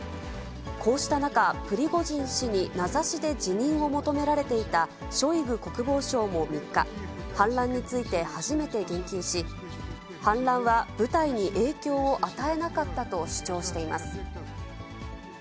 こうした中、プリゴジン氏に名指しで辞任を求められていたショイグ国防相も３日、反乱について初めて言及し、反乱は部隊に影響を与えなかったと主張しています。